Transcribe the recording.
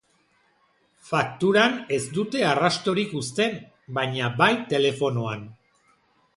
Fakturan ez dute arrastorik uzten, baina bai telefonoan.